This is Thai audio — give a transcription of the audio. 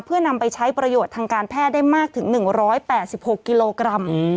เพื่อนำไปใช้ประโยชน์ทางการแพทย์ได้มากถึง๑๘๖กิโลกรัม